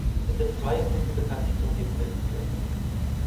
Es sind zwei Routen bekannt, die zum Gipfel führen.